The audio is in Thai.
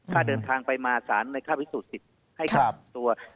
ถ้าเดินทางไปมาสารในค่าพิสูจน์สิทธิ์ให้กับตัว